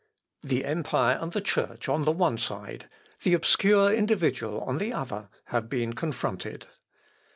The empire and the Church, on the one side, the obscure individual, on the other, have been confronted.